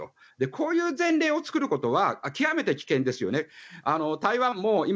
こういう前例を作ることは極めて危険ですよね。